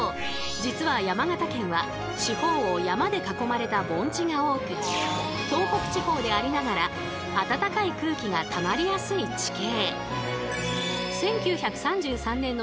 実は山形県は四方を山で囲まれた盆地が多く東北地方でありながら温かい空気がたまりやすい地形。